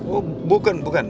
oh bukan bukan